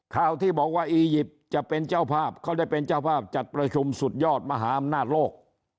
ข่าวที่บอกว่าอียิปต์จะเป็นเจ้าภาพเขาได้เป็นเจ้าภาพจัดประชุมสุดยอดมหาอำนาจโลก